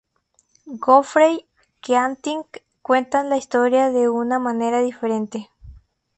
Geoffrey Keating cuenta la historia de una manera diferente.